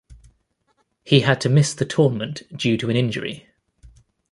He had to miss the tournament due to an injury.